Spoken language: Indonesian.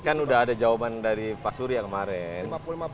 kan udah ada jawaban dari pak surya kemarin